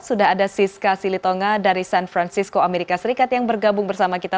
sudah ada siska silitonga dari san francisco amerika serikat yang bergabung bersama kita